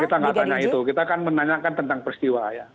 kita nggak tanya itu kita kan menanyakan tentang peristiwa ya